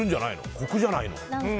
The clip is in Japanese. コクじゃないの？